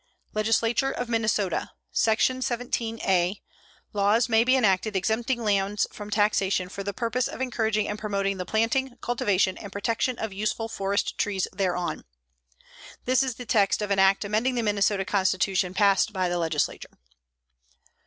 LEGISLATURE OF MINNESOTA: "Sec. 17 a. Laws may be enacted exempting lands from taxation for the purpose of encouraging and promoting the planting, cultivation and protection of useful forest trees thereon." This is the text of an act amending the Minnesota constitution passed by the legislature.